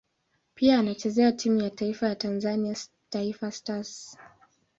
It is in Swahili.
Pia anachezea timu ya taifa ya Tanzania Taifa Stars.